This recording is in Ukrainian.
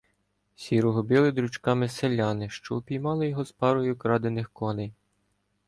Сірого били дрючками селяни, що упіймали його з парою крадених коней.